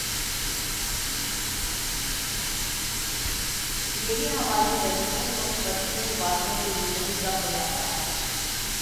یہی ہماری بیرون ملک بسنے والوں کی زندگی کا خلاصہ ہے